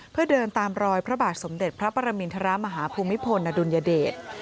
เพื่อเดินตามรอยพระบาทสมเด็จพระปรมินทรมาฮภูมิพลอดุลยเดช